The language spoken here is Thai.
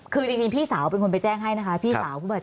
คือจริงพี่สาวเป็นคนไปแจ้งให้นะคะพี่สาวผู้บาดเจ็บ